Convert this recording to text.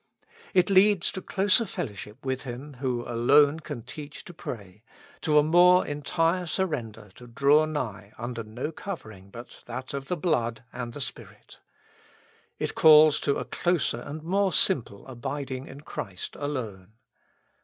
It leads to closer fellowship with Him who alone can teach to pray, to a more entire surrender to draw nigh under no covering but that of the blood, and the Spirit. It calls to a closer and more simple abiding in Christ alone.